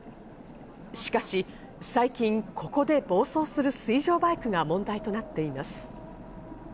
しかし最近、ここで暴走する水上バイクが問題となっています。